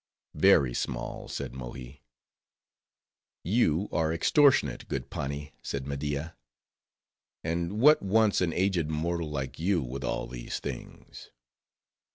"Very small," said Mohi. "You are extortionate, good Pani," said Media. "And what wants an aged mortal like you with all these things?"